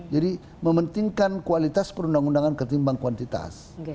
jadi mementingkan kualitas perundang undangan ketimbang kuantitas